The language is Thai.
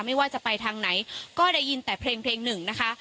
ไม่ว่าจะไปทางไหนก็ได้ยินแต่เพลงหนึ่งนะคะ